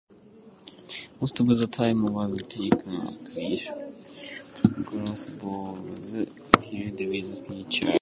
Most of the time was taken up in shooting glass balls, filled with feathers.